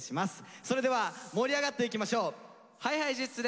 それでは盛り上がっていきましょう。ＨｉＨｉＪｅｔｓ